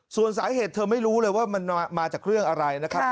ส่วนสาเหตุเธอไม่รู้เลยว่ามันมาจากเรื่องอะไรนะครับ